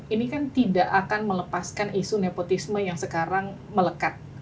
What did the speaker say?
ini kan tidak akan melepaskan isu nepotisme yang sekarang melekat